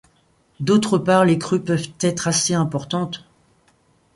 D'autre part les crues peuvent être assez importantes.